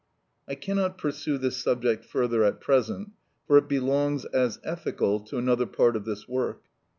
I cannot pursue this subject further at present, for it belongs, as ethical, to another part of this work.